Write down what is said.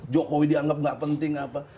jokowi dianggap nggak penting apa